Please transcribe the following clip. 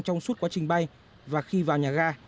trong suốt quá trình bay và khi vào nhà ga